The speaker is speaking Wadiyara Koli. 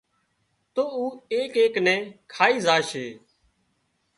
تو اُو ايڪ ايڪ نين کائي زاشي